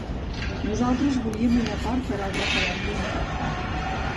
Nosaltres volíem un acord per al referèndum pactat.